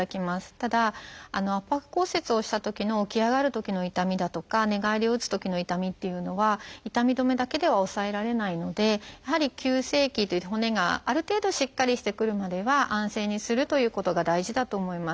ただ圧迫骨折をしたときの起き上がるときの痛みだとか寝返りを打つときの痛みっていうのは痛み止めだけでは抑えられないのでやはり急性期骨がある程度しっかりしてくるまでは安静にするということが大事だと思います。